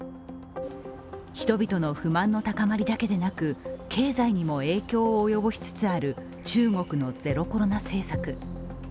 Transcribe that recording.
人々の不満の高まりだけでなく経済にも影響を及ぼしつつある中国のゼロコロナ政策。